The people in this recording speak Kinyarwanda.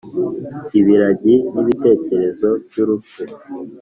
ibiragi nibitekerezo byurupfu